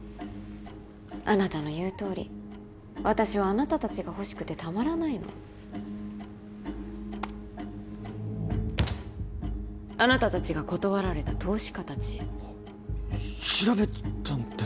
あなたの言うとおり私はあなた達が欲しくてたまらないのあなた達が断られた投資家達調べたんですか？